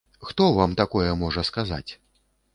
Хто вам такое можа сказаць?